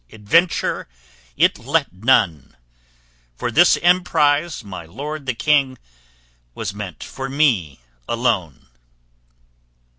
Adventure it let none, For this emprise, my lord the king, Was meant for me alone.